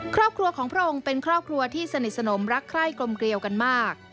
ครอบครัวของพระองค์เป็นครอบครัวที่สนิทสนมรักใคร่กลมเกลียวกันมาก